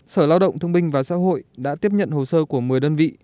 sở lao động thương binh và xã hội đã tiếp nhận hồ sơ của một mươi đơn vị